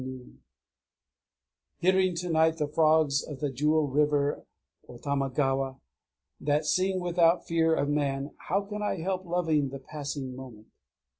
"Hearing to night the frogs of the Jewel River [or Tamagawa], that sing without fear of man, how can I help loving the passing moment?"